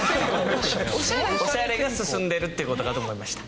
オシャレが進んでるって事かと思いました。